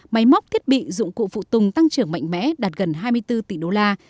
máy móc thiết bị dụng cụ phụ tùng tăng trưởng mạnh mẽ đạt gần hai mươi bốn tỷ đô la